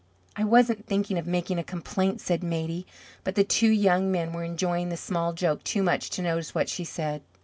"I wasn't thinking of making a complaint," said Maidie; but the two young men were enjoying the small joke too much to notice what she said.